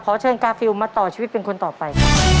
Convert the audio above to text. เชิญกาฟิลมาต่อชีวิตเป็นคนต่อไปครับ